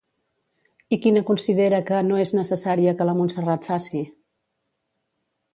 I quina considera que no és necessària que la Montserrat faci?